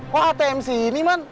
kok atm sini man